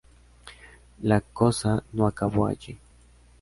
La cosa no acabó allí.